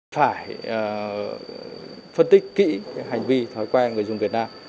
phải phân tích kỹ hành vi thói quen người dùng việt nam